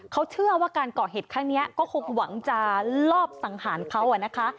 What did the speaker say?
เขาเชื่อว่าการก่อเหตุครั้งนี้ก็คงหวังจะลอบสังหารเขานะคะ